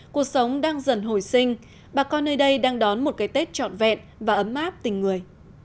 cuộc sống đang dần hồi sinh bà con nơi đây đang đón một cái tết trọn vẹn và ấm áp tình người